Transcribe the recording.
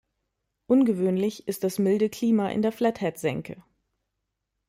Ungewöhnlich ist das milde Klima in der Flathead-Senke.